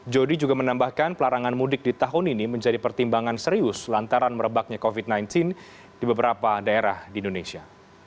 jody juga menambahkan pelarangan mudik di tahun ini menjadi pertimbangan serius lantaran merebaknya covid sembilan belas di beberapa daerah di indonesia